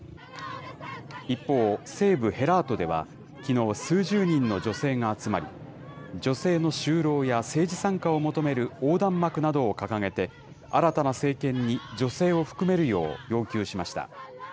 一方、西部ヘラートでは、きのう、数十人の女性が集まり、女性の就労や政治参加を求める横断幕などを掲げて、新たな政権に女性を含めるよう要求しました。